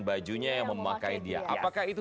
bajunya yang memakai dia apakah itu